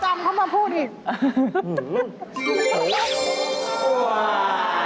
จะไปจำเขามาพูดอีก